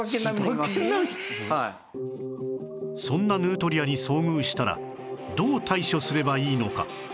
そんなヌートリアに遭遇したらどう対処すればいいのか？